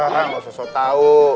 hah gak usah tau